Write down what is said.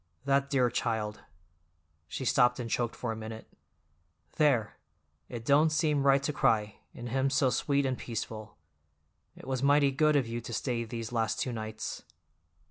That dear child—" she stopped and choked for a minute. "There! It don't seem right to cry, and him so sweet and peaceful. It was mighty good of you to stay these last two nights."